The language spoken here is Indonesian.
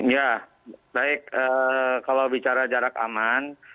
ya baik kalau bicara jarak aman